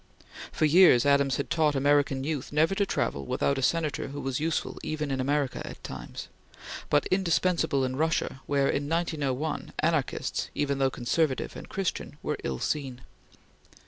For years Adams had taught American youth never to travel without a Senator who was useful even in America at times, but indispensable in Russia where, in 1901, anarchists, even though conservative and Christian, were ill seen.